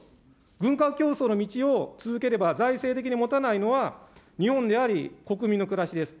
軍拡競争の道を続ければ、財政的にもたないのは、日本であり、国民の暮らしです。